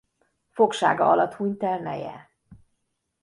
Fogsága alatt hunyt el neje.